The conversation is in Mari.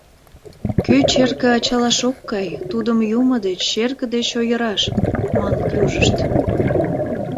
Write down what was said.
«Кӧ черке ачалаш ок кай, тудым юмо деч, черке деч ойыраш», — маныт южышт.